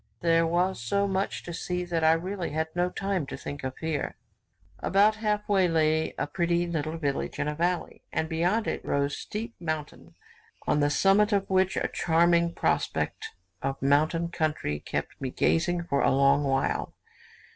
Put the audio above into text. There was so much to see that I really had no time to think of fear. About half way lay a pretty little village in a valley, and beyond it rose a steep mountain, on the summit of which a charming prospect of mountain country kept me gazing for a long while.